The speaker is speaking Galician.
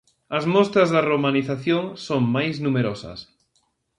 As mostras da romanización son máis numerosas.